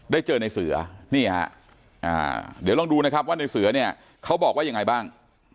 เจอในเสือนี่ฮะเดี๋ยวลองดูนะครับว่าในเสือเนี่ยเขาบอกว่ายังไงบ้าง